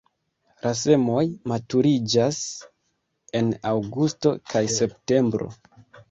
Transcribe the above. La semoj maturiĝas en aŭgusto kaj septembro.